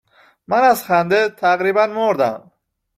من از خنده تقریبا مردم